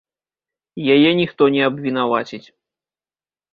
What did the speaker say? Яе ніхто не абвінаваціць.